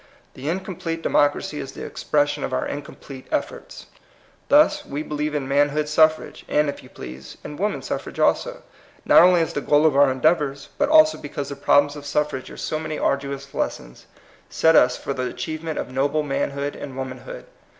The incomplete democ racy is the expression of our incomplete efforts. Thus, we believe in manhood suffrage, and, if you please, in woman suffrage also, anly as the goal of our endeavors, but because the problems of snfErage are THE IDEAL DEMOCRACY. 185 SO many arduous lessons set us for the achievement of noble manhood and woman hood.